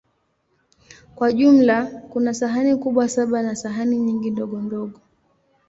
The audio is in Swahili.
Kwa jumla, kuna sahani kubwa saba na sahani nyingi ndogondogo.